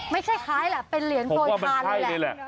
คล้ายแหละเป็นเหรียญโปรยทานเลยแหละ